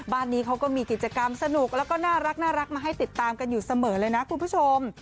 บ้านนี้เขาก็มีกิจกรรมสนุกแล้วก็น่ารักมาให้ติดตามกันอยู่เสมอเลยนะคุณผู้ชม